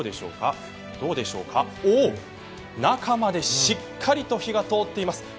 どうでしょうか中までしっかりと火が通っています。